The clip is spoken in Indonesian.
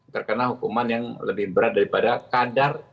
terkena hukuman yang lebih berat daripada kadar